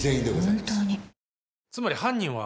「つまり犯人は」